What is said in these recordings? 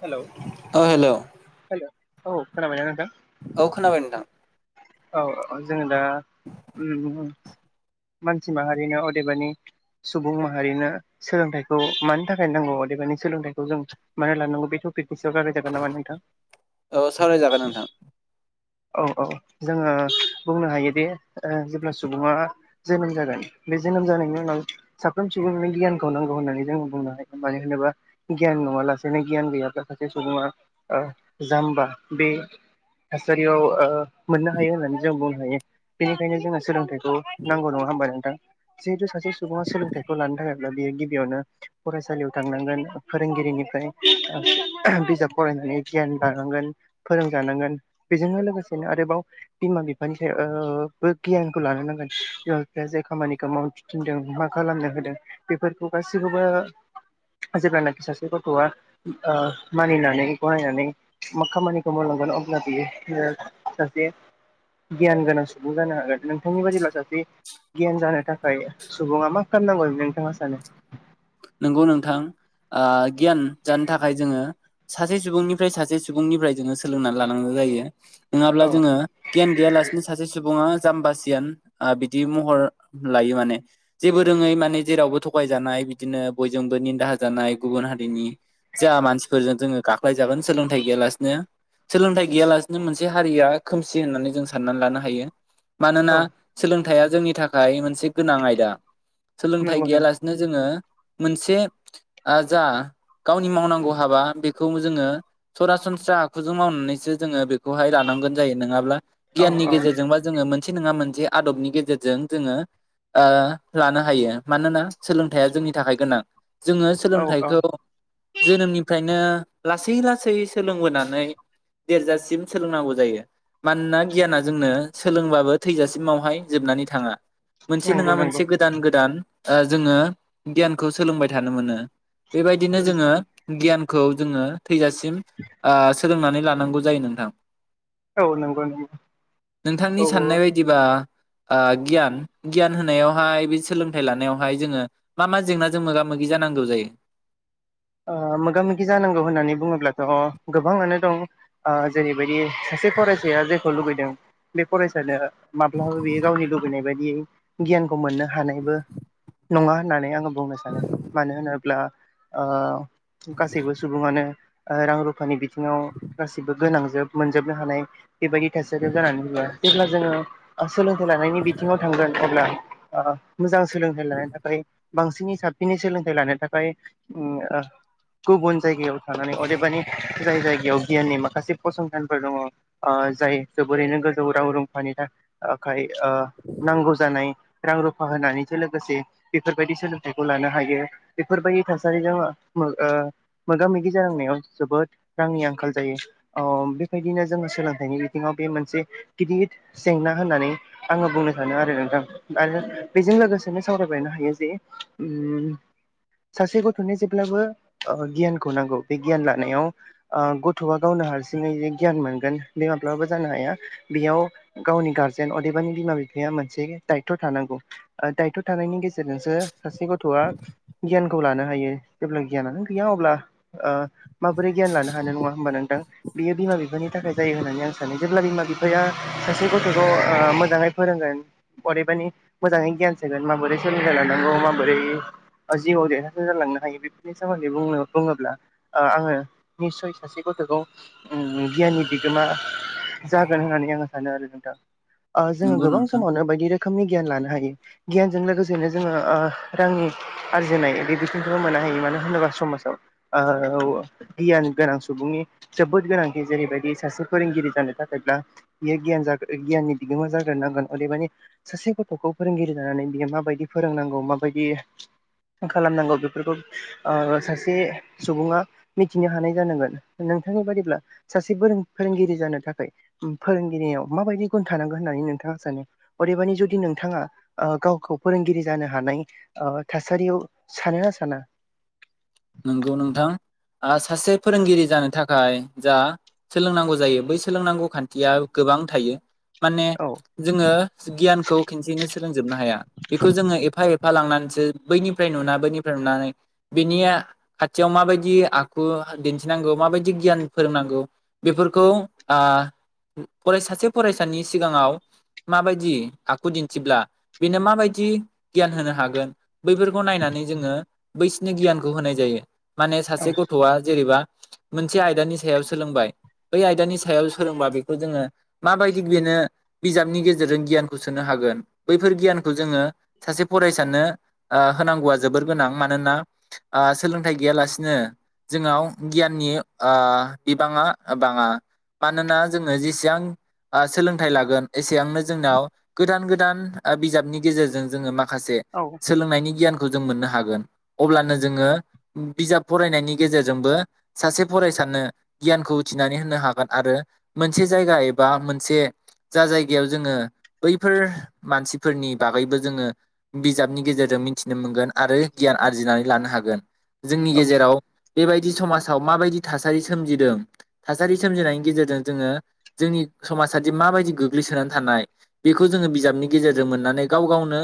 Hello औ hello hello औ खोनाबाय ना नोंथां? औ खोनाबाय नोंथां। औ ओ जोङो दा उम ओ मानसि माहारिनो अदेबानि सुबुं माहारिनो सोलोंथाइखौ मानि थाखाय नांगौ अदेबानि सोलोंथाइखौ जों मानो लानांगौ बेथ' [unintelligible] जानाय नामा नोंथां? औ सावरायजागोन नोंथां। औ औ जोङो बुंनो हायोदि ओ जेब्ला सुबुङा जोनोम जागोन बे जोनोम जानायनि उनाव साफ्रोम सुबुंनि गियानखौ नांगौ होननानै जों बुंनो हायो मानो होनोबा गियान नङा लासेनो गियान गैयाब्ला सासे सुबुङा जाम्बा बे सारियाव ओ मोननो हायो होननानै जों बुंनो हायो। बेनिखायनो जोंङो सोलोंथाइखौ नांगौ नङा होमबा नोंथां जिहेथु सासे सुबुङा सोलोंथाइखौ लानो थाखायब्ला बियो गिबियावनो फरायसालियाव थांनांगोन फोरोंगिरिनिफ्राय बिजाब फरायनानै गियान लानांगोन फोरोंजानांगोन बेजोंनो लोगोसेनो आरोबाव बिमा बिफानिफ्रायबो ओ गियानखौ लानो नांगोन बिमा बिफाया जाय खामानिखौ माव थिनदों मा खालामनो होदों बेफोरखौ गासिखौबो जेब्लानाखि सासे गथ'आ मानिनानै गनायनानै मा खामानिखौ मावलांगोन अब्ला बियो ओ सासे गियान गोनां सुबुं जानो हागोन नोंथांनि बादिब्ला सासे गियान जानो थाख खाय सुबुङा मा खालामनांगौ नोंथाङा सानो? नंगौ नोंथां ओ गियान जानो थाखाय जोङो सासे सुबुंनिफ्राय सासे सुबुंनिफ्राय जोङो सोलोंनानै लानांगौ जायो। नङाब्ला औ जोङो गियान गैयालासिनो सासे सुबुङा जाम्बासियान ओ बिदि महर लायो माने जेबो रोङै माने जेरावबो थगायजानाय बि बिदिनो बयजोंबो निन्दा होजानाय गुबुन हारिनि जा मानसिफोरजों जोङो गा जाय जागोन सोलोंथाइ गैयालासिनो सोलोंथाइ गैयालासिनो मोनसे हारिया खोमसि होननानै जों साननानै लानो हायो। मानोना औ सोलों थाया जोंनि थाखाय मोनसे गोनां आयदा। सोलोंथाइ नंगौ नंगौ गैयालासिनो जोङो मोनसे ओ जा गावनि मावनांगौ हाबा बेखौ जोङो सरासनस्रा आखुजों मावनानैसो जोङो बेखौहाय लानांगोन जायो नङाब्ला औ गियाननि औ गेजेरजोंबा जोङो मोन मोनसे नङा मोनसे आदबनि गेजेरजों जोङो ओ लानो हायो मानोना सोलोंथाइया जोंनि थाखाय गोनां। जोङो औ औ सोलोंथाइखौ जोनोमनिफ्रायनो लासै लासै सोलोंबोनानै देरजासिम सोलोंनांगौ जायो मानोना गियाना जोंनो सोलोंबाबो थैजासिमावहाय जोबनानै थाङा मोनसे नंगौ नङा नंगौ मोनसे गोदान गोदान ओ जोङो गियानखौ सोलोंबाय थानो मोनो। बेबायदिनो जोङो गियान खौ जोङो थैजासिम ओ सो सोलोंनानै लानांगौ जायो नोंथां। औ नंगौ नंगौ नोंथांनि औ औ साननाय बायदिबा ओ गियान गियान होनायावहाय बे सोलोंथाइ लानायावहाय जोङो मा मा जेंनाजों मोगा मोगि जानांगौ जायो? ओ मोगा मोगि जानांगौ होननानै बुङोब्लाथ गोबाङानो दं जेरैबायदि सासे फरायसाया जेखौ लुुबैदों बे फरायसानो माब्लाबा बेयो गावनि लुबैनाय बाय- दि गियानखौ मोननो हानायबो नङा होननानै आङो बुंनो सानो मानो होनोब्ला ओ गासैबो सुबुङानो रां रुफानि बिथिङाव गासिबो गोनांजोब मोनजोबनो हानाय बेबायदि थासारिआव जानानै बुङो। जेब्ला जोङो ओ सोलोंथाइ लानायनि बिथिङाव थांगोन अब्ला ओ मोजां सोलोंथाइ लानो थाखाय बांसिनै साबसिनै सोलोंथाइ लानो थाखाय उ ओ गुबुन जायगाया- थानानै अदेबानि जाय जायगायाव गियाननि माखासे फसंथानफोर दङ ओ जाय जोबोरैनो गोजौ राव रुफानि थाखाय ओ नांगौ जानाय रां रुफा होनानैजों लोगोसे बेफोरबायदि सोलोंथाइखौ लानो हायो बेफोरबायदि थास थासारिजों ओ मोगा मोगि जानांनायाव जोबोद रांनि आंखाल जायो ओ बेबायदिनो जोङो सोलोंथाइनि बिथिङाव बे मोनसे गिदिर जेंना होननानै आङो बुंनो सानो आरो नोंथां आरो बेजों लोगोसेनो सावरायबायनो हायो जे सासे गथनो जेब्लाबो गियानखौ नांगौ बे गियान लानायाव ओ गथआ गावनो हारसिङै गियान मोनगोन बे माब्लाबाबो जानो हाया बेयाव गावनि गारजेन अदेबानि बिमा बिफाया मोनसे दायथ थानांगौ दायथ थानायनि गेजेरजोंसो सासे गथआ गियानखौ लानो हायो जेब्ला गियानानो गैया अब्ला ओ माबोरै गियान लानो हानाय नङा होमबा नोंथां बियो बिमा बिफानि थाखाय जायो होननानै आं सानो जेब्ला बिमा बिफाया सासे गथखौ मोजाङै फोरोंगोन अदेबानि मोजाङै गियान सोगोन माबोरै सोलोंथाइ लानांगौ माबोरै जिउआव देरहा सा जालांनो हायो बेफोरनि सोमोन्दैनो बुङोब्ला आङो निस्सय सासे गथखौ ओम गियाननि बिगोमा जागोन होननानै आं सानो आरो नोंथां ओ जोङो नंगौ गोबां नोंथां समावनो बायदि रोखोमनि गियान लानो हायो गियानजों लोगोसेनो जोङो ओ रांनि आरजिनाय बिदि बिखौबो मोननो हायो मानो होनोबा समाजाव गियान गोनां सुबुंनि जोबोद गोनांथि जेरैबायदि सासे फोरोंगिरि जानो थाखायब्ला बियो गियान गियाननि बिगोमा जाग्रोनांगोन अदेबानि सासे गथखौ फोरोंगिरि जानानै बियो माबायदि फोरोंनांगौ माबायदि खालामनांगौ बेफोरखौ सासे सुबुङा मिथिनो हानाय जानांगोन नोंथांनि बादिब्ला सासे फोरोंगिरि जानो थाखाय फोरोंगिरियाव माबायदि गुन थानांगोन होननानै नोंथाङा सानो अदेबानि जुदि नोंथाङा गावखौ फोरोंगिरि जानो हानाय ओ थासारियाव सानोना साना नंगौ नोंथां ओ सासे फोरोंगिरि जानो थाखाय जा सोलोंनांगौ जायो बै सोलोंनांगौ खान्थिया गोबां थायो । माने औ जोङो गियानखौ खनसेयैनो सोलोंजोबनो हाया बेखौ जोङो एफा एफा लांनानै सो बैनिफ्राय नुना बैनिफ्राय नुनानै बिनिया खाथियाव माबायदि आखु दिन्थिनांगौ माबायदि गियान फोरोंनांगौ बेफोरखौ ओ फराय सासे फरायसानि सिगाङाव माबायदि आखु दिन्थिब्ला बेनो माबायदि गियान होनो हागोन बैफोरखौ नायनानै जोङो बैसिनि गियानखौ होनाय ज जायो माने औ सासे गथआ जेरैबा मोनसे आयदानि सायाव सोलोंबाय बै आयदानि सायाव सोलोंबा बेखौ जोङो माबायदि बेनो बिजाबनि गेजेरजों गियानखौ सोनो हागोन बैफोर गियानखौ जोङो सासे फरायसानो होनांगौआ जोबोर गोनां मानोना ओ सोलोंथाइ गैयालासिनो जोंनाव गियाननि ओ बिबाङा बाङा मानोना जोङो जेसेबां सोलोंथाइ लागोन एसेबांनो जोंनाव गोदान गोदान बिजाबनि गेजेरजों जोङो माखा खासे औ सोलोंनायनि गियानख जों मोननो हागोन अब्लानो जों जोङो बिजाब फरायनायनि गेजेरजोंबो सासे फरायसानो गियानखौ उथिनानै होनो हागोन आरो मोनसे जायगा एबा मोनसे जा जायगायाव जोङो बैफोर मानसिफोरनि बागैबो जोङो बिजाबनि गेजेरजों मिथिनो मोनगोन आरो गियान आरजिनानै लानो हागोन जोंनि गेजेराव बेबायदि समाजाव माबायदि थासारि सोमजिदों थासारि सोमजिनायनि गेजेरजों जोङो जोंनि समाजआदि माबायदि गोग्लैसोनानै थानाय बेखौ जोङो बिजाबनि गेजेरजों मोननानै गाव गावनो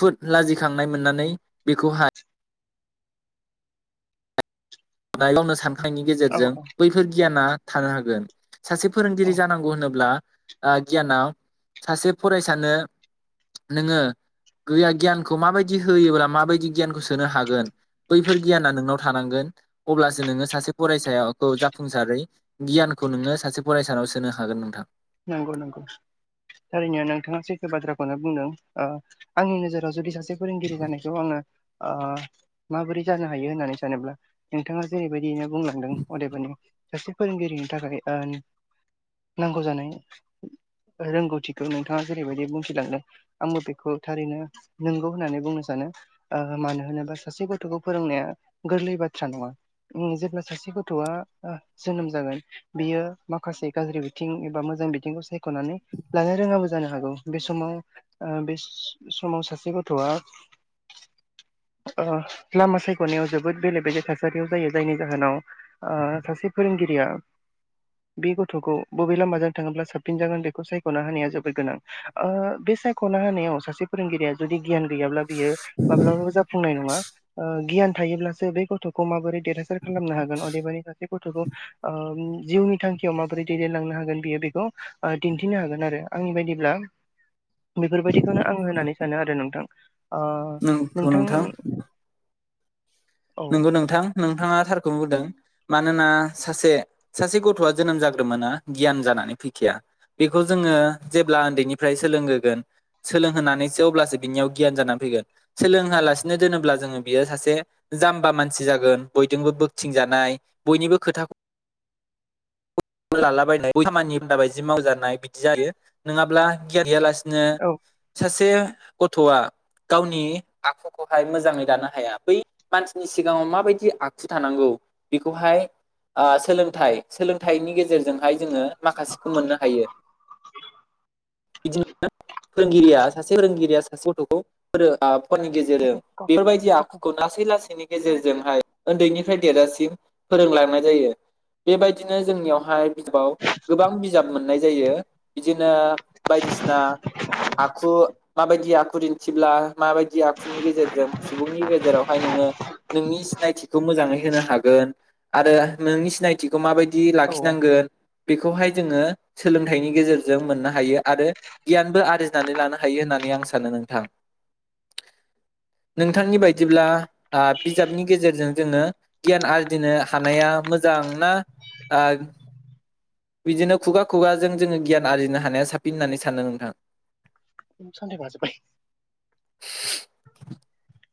खुद लाजिखांनाय मोननानै बेखौहाय [unintelligible] नि औ गेजेरजों औ बैफोर गियाना थानो हागोन सासे औ फोरोंगिरि जानांगौ होनोब्ला आ गियानाव सासे फरायसानो नोङो गैया गियानखौ माबायदि होयोब्ला माबायदि गियानखौ सोनो हागोन बैफोर गियाना नोंनाव थानांगोन अब्लासो नोङो सासे फरायसाखौ जाफुंसारै गियानखौ नोङो सासे फरायसानाव सोनो हागोन नोंथां नंगौ नंगौ थारैनोनो नोंथाङा सैथो बाथ्राखौनो बुंदों ओ आंनि नोजोराव जुदि सासे फोरोंगिरि जानायखौ आङो ओ माबोरै जानो हायो होननानै सानोब्ला नोंथाङा जेरैबायदिनो बुंलांदों अदेबानि सासे फोरोंगिरिनि थाखाय ओ नांगौ जानाय रोंगौथिखौ नोंथाङा जेरैबायदि बुंथिलांदों आंबो बेखौ थारैनो नोंगौ होननानै बुंनो सानो मानो होनोबा सासे गथ'खौ फोरोंनाया गोरलै बाथ्रा नङा जेब्ला सासे गथ'आ जोनोम जागोन बियो माखासे गाज्रि बिथिं एबा मोजां जों बिथिंखौ सायख'नानै लानो रोङाबो जानो हागौ बे समाव बे समाव सासे गथ'आ लामा सायख'नायाव जोबोद बेले बेले थासारियाव जायो जायनि जाहोनाव ओ सासे फोरोंगिरिया बे गथ'खौ बबे लामाजों थाङोब्ला साबसिन जागोन बेखौ सायख'नो हा जोबोर गोनां बे सायख'ना होनानायाव सासे फोरोंगिरिया जुदि गियान गैयाब्ला बियो माब्लाबाबो जाफुंनाय नङा ओ गियान थायोब्लासो बे गथ'खौ माबोरै देरहासार खालामनो हागोन अदेबानि सासे गथ'खौ ओम जिउनि थांखियाव माबोरै दैदेनलांनो हागोन बेयो बे बे दिन्थिनो हागोन आरो आंनि बायदिब्ला बेफोरबायदिखौनो आं होननानै सानो आरो नोंथां ओ नंखौ नोंथां औ नंगौ नोंथां नोंथाङा थार खौनो बुंदों मानोना सासे सासे गथ'आ जोनोम जाग्रोमोना गियान जानानै फैखाया बेखौ जोङो जेब्ला उन्दैनिफ्राय सोलोंहोगोन सोलोंहोनानैसो अब्लासो बिनियाव गियान जानानै फैगोन सोलों होआलासिनो दोनोब्ला जोङो बियो सासे जाम्बा मानसि जागोन बयजोंबो बोगथिं जानाय बयनिबो खोथाखौ लालाबायनाय बयनिबो खामानि बायदि मावजानाय बिदि जायो नङाब्ला गियान गैयालासे नो औ सासे गथ'आ गावनि आखुखौहाय मोजाङै दानो हाया बै मानसिनि सिगाङाव माबायदि आखु थानांगौ बेखौहाय सोलोंथाइ सोलों थाइनि गेजेरजों हाइ जोङो माखासेखौ मोननो औ बिदिनो फोरोंगिरिया सासे फोरोंगिरिया सासे गथ'खौ फोरों आनि गथ' गेजेरजों बेफोरबायदि गथ' आखुखौ लासै लासैनि गेजेरजोंहाय उन्दैनिफ्राय देरजासिम फोरोंलांनाय जायो बेबायदि बिदिनो जोंनियावहाय बिजाबाव गोबां बिजाब मोननाय जायो बिदिनो बायदिसिना आखु माबायदि आखु दिन्थिब्ला माबायदि आखुनि गेजेरजों सुबुंनि गेजेरावहाय नोङो नोंनि सिनायथिखौ मोजाङै हागोन आरो नोंनि सिनायथिखौ माबायदि थि औ लाखिनांगोन बेखौहाय जोङो सोलोंथाइनि गेजेरजों मोननो हायो आरो गियानबो आरजिनानै लानो हायो होननानै आं सानो नोंथां नोंथांनि बायदिब्ला बिजाबनि गेजेरजों जोङो गियान आरजिनो हानाया मोजां ना आ बिदिनो खुगा खुगाजों जोङो गियान आरजिनो हानाया साबसिन होननानै सानो नोंथां सामथाइ बाजोब बाय [unintelligible]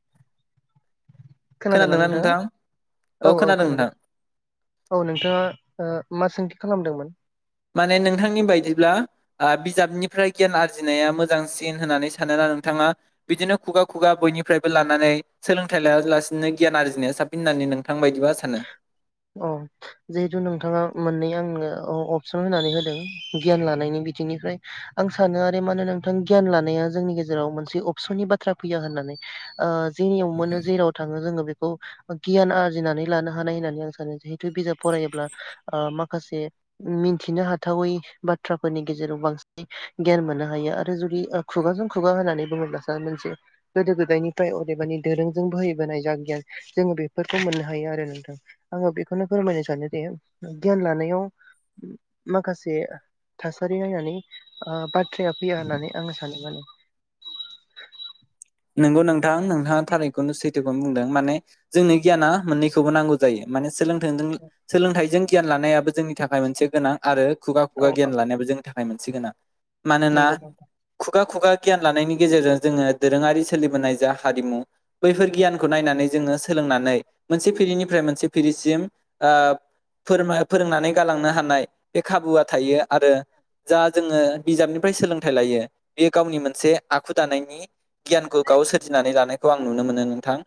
खोनादोंना नोंथाङा औ औ खोनादों औ नोंथाङा मा सोंथि खालामदोंमोन माने नोंथांनि बायदिब्ला ओ बिजाबनिफ्राय गियान आरजिनाया मोजांसिन होननानै सानोना नोंथाङा बिदिनो खुगा खुगा बयनिफ्रायबो लानानै सोलोंथाइ लायालासिनो गियान आरजिनाया साबसिन होननानै नोंथां बायदिबा सानो अ जिहेथु नोंथाङा मोननै आंनो अपसन होनानै होदों गियान लानायनि बिथिंनिफ्राय आं सानो आरो मा होन नोंथां गियान लानाया जोंनि गेजेराव मोनसे अपसननि बाथ्रा फैया होननानै ओ जेनियाव मोनो जेराव थाङो जोंङो बे खौ गियान आरजिनानै लानो हानाय होननानै आं सानो जिहेथु बिजाब फरायोब्ला ओ माखासे मिथिनो हाथावै बाथ्राफोरनि गेजेराव बांसिन गियान मोननो हायो। आरो जुदि खुगाजों खुगा होननानै बुङोब्ला सार मोनसे गोदो गोदायनिफ्राय अदेबानि दोरोंजों बोहैबोनाय जा गियान जोंङो बेफोरखौ मोननो हायो आरो नोंथां। आंङो बेखौनो फोरमायनो सानोदि गियान लानायाव माखासे थासारि नायनानै बाथ्राया फैया होननानै आं सानो माने। नोंगौ नोंथां नोंथाङा थारिखखौनो सैथोखौनो बुंदों। माने जोंनो गियाना मोननैखौबो नांगौ जायो माने सोलोंथाइजीं सोलोंथाइजों गियान लानायाबो जोंनि थाखाय मोनसे गोनां आरो खुगा-खुगा औ गियान औ लानायाबो जो नि थाखाय मोनसि गोनां मानोना नंगौ नोंथां। खुगा-खुगा गियान लानायनि गेजेरजों जोंङो दोरोंङारि सोलिबोनाय जा हारिमु बैफोर गियानखौ नायनानै जोंङो सोलोंनानै मोनसे फिरिनिफ्राय मोनसे फिरिसिम ओ फोर फोरोंनानै गालांनो हानाय बे खाबुआ थायो आरो जा जोंङो बिजाबनिफ्राय सोलोंथाइ लायो। बेयो गावनि मोनसे आखु दानायनि गियानखौ गाव सोरजिनानै लानाय। खौ आं नुनो मोनो नोंथां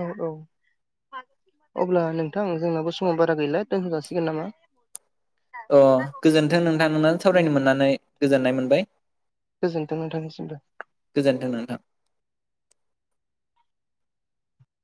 औ औ अब्ला नों नोंथां जोंनाबो समा बारा गैला दोनथजासिगोन नामा? अ गोजोन्थों नोंथां नोंथांजीं औ सावरायनो मोन्नानै गोजोननाय मोनबाय। गोजोनथों नोंथांनिसिमबो। गोजोन्थों नोंथां।